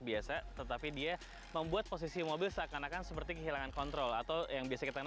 biasa tetapi dia membuat posisi mobil seakan akan seperti kehilangan kontrol atau yang biasa kita